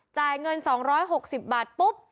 จ่ายเงิน๒๖๐บาทปุ๊บ